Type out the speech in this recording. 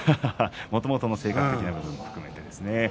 もともとの性格的な部分も含めてですね。